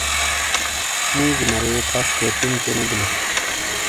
موڙی مرے پھش تھے ٹونڈ تو نے بیلو؟